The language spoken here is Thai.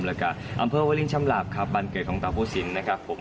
แล้วก็อำเภอวาลินชำราบครับบ้านเกิดของตาภูสินนะครับผม